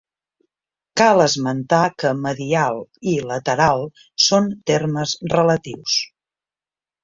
Cal esmentar que medial i lateral són termes relatius.